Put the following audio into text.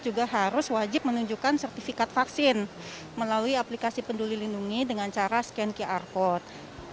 juga harus wajib menunjukkan sertifikat vaksin melalui aplikasi peduli lindungi dengan cara scan qr code